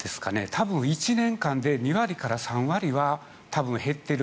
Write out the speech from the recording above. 多分１年間で２割から３割くらいは多分減っている。